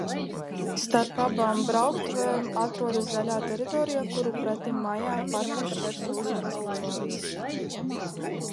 Starp abām brauktuvēm atrodas zaļā teritorija, kuru pretīm Maija parkam šķērso Uzvaras bulvāris.